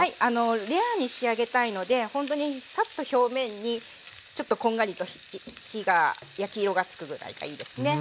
レアに仕上げたいのでほんとにサッと表面にちょっとこんがりと火が焼き色がつくぐらいがいいですね。